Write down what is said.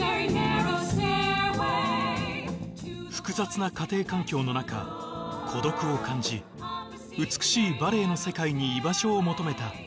複雑な家庭環境の中孤独を感じ美しいバレエの世界に居場所を求めた